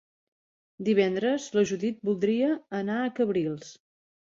Divendres na Judit voldria anar a Cabrils.